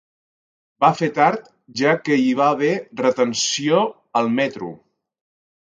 Va fer tard, ja que hi va haver retenció al metro.